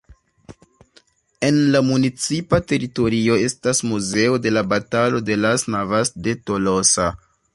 En la municipa teritorio estas Muzeo de la Batalo de las Navas de Tolosa.